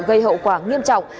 gây hậu quả nghiêm trọng